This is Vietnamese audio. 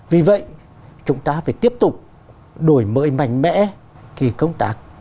vì vậy chúng ta phải tiếp tục đổi mới mạnh mẽ cái công tác